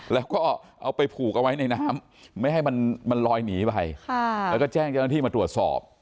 แล้วก็เอาไปผูกเอาไว้ในน้ำไม่ให้มันลอยหนีไปแล้วก็แจ้งเจ้าหน้าที่มาตรวจสอบ